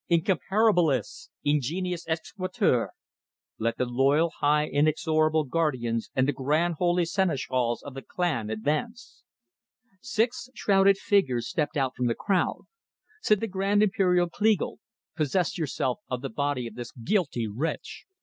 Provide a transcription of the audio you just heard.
Incomparabilis! Ingenientis exequatur! Let the Loyal High Inexorable Guardians and the Grand Holy Seneschals of the Klan advance!" Six shrouded figures stepped out from the crowd. Said the Grand Imperial Kleagle: "Possess yourselves of the body of this guilty wretch!"